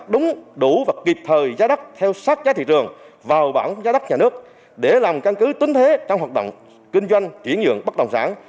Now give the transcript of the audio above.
chúng đủ và kịp thời giá đất theo sát giá thị trường vào bảng giá đất nhà nước để làm căn cứ tính thế trong hoạt động kinh doanh triển dưỡng bất đồng sản